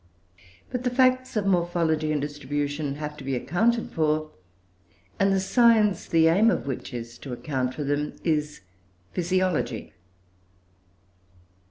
But the facts of morphology and distribution have to be accounted for, and the science, the aim of which it is to account for them, is Physiology.